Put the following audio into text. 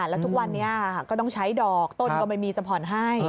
แล้วทุกวันนี้ก็ต้องใช้ดอกต้นก็ไม่มีจะผ่อนให้